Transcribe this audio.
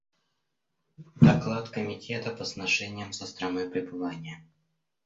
Доклад Комитета по сношениям со страной пребывания.